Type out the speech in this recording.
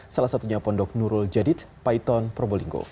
salah satunya pondok nurul jadid paiton probolinggo